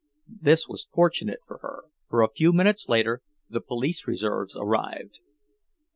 This was fortunate for her, for a few minutes later the police reserves arrived.